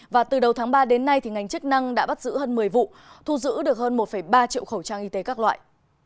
và từ đầu tháng ba đến nay ngành chức năng đã bắt giữ hơn một mươi vụ thu giữ được hơn một ba triệu khẩu trang y tế các loại